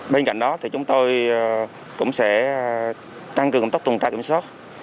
bên cạnh đó thì chúng tôi cũng sẽ tăng cường tốc tùng trạng kiểm soát